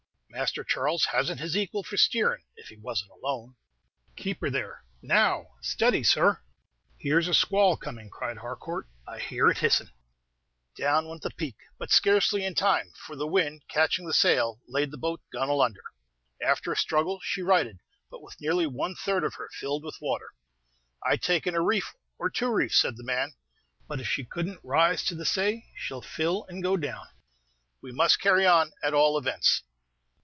"Master Charles hasn't his equal for steerin', if he wasn't alone. Keep her there! now! steady, sir!" "Here's a squall coming," cried Harcourt; "I hear it hissing." Down went the peak, but scarcely in time, for the wind, catching the sail, laid the boat gunwale under. After a struggle, she righted, but with nearly one third of her filled with water. "I'd take in a reef, or two reefs," said the man; "but if she could n't rise to the say, she 'll fill and go down. We must carry on, at all events."